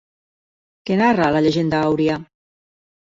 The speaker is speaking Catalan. Què narra la Llegenda àuria?